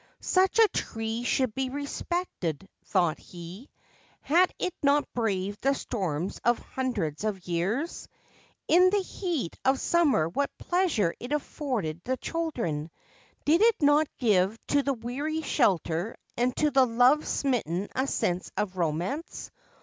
Such a tree should be respected, thought he. Had it not braved the storms of hundreds of years ? In the heat of summer what pleasure it afforded the children ! Did it not give to the weary shelter, and to the love smitten a sense of romance